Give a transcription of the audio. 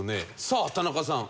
さあ田中さん。